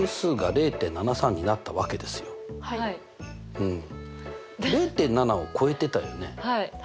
うん０．７を超えてたよね。